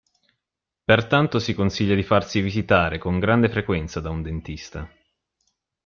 Pertanto si consiglia di farsi visitare con grande frequenza da un dentista.